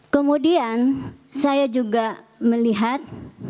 kemudian saya juga melihat